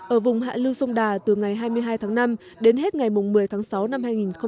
ở vùng hạ lưu sông đà từ ngày hai mươi hai tháng năm đến hết ngày một mươi tháng sáu năm hai nghìn hai mươi